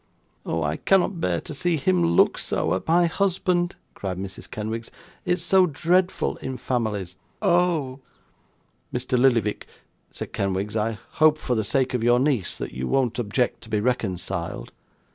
'Oh! I cannot bear to see him look so, at my husband,' cried Mrs Kenwigs. 'It's so dreadful in families. Oh!' 'Mr. Lillyvick,' said Kenwigs, 'I hope, for the sake of your niece, that you won't object to be reconciled.